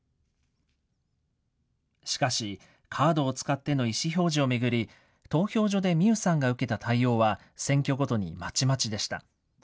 しかし、カードを使っての意思表示を巡り、投票所で美優さんが受けた対応は、選挙ごとにまちまちでした。